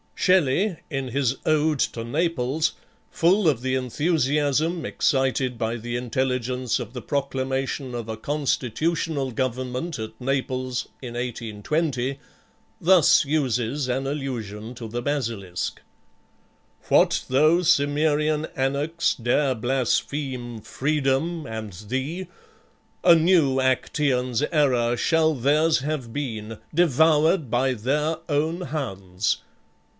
Shelley, in his "Ode to Naples," full of the enthusiasm excited by the intelligence of the proclamation of a Constitutional Government at Naples, in 1820, thus uses an allusion to the basilisk: "What though Cimmerian anarchs dare blaspheme Freedom and thee? a new Actaeon's error Shall theirs have been, devoured by their own hounds!